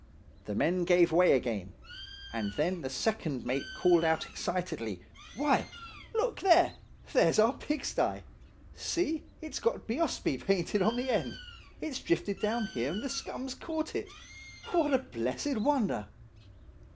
The men gave way again; and then the second mate called out excitedly, 'Why, look there, there's our pigsty! See, it's got Bheospsé painted on the end. It's drifted down here and the scum's caught it. What a blessed wonder!